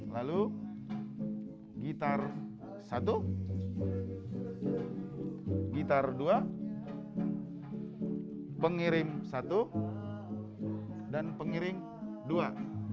lalu gitar satu gitar dua pengirim satu dan pengiring dua